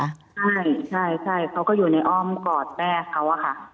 ใช่ใช่เขาก็อยู่ในอ้อมกอดแม่เขาอะค่ะ